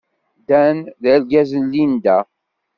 Dan d argaz n Linda.